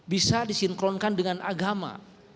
bisa disinkronkan dengan agama